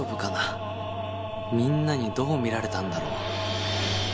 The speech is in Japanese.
みんなにどう見られたんだろう？